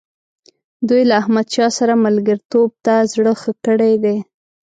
دوی له احمدشاه سره ملګرتوب ته زړه ښه کړی دی.